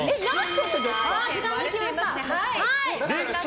時間が来ました。